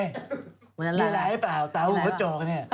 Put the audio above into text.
นี่ร้ายหรือเปล่าเต๋าหัวโจกนี่อะไรล่ะ